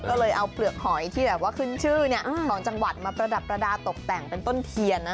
ก็เลยเอาเปลือกหอยที่แบบว่าขึ้นชื่อของจังหวัดมาประดับประดาษตกแต่งเป็นต้นเทียนนะ